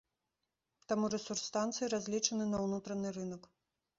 Таму рэсурс станцыі разлічаны на ўнутраны рынак.